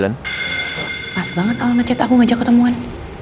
pas banget al nge chat aku ngajak ketemuan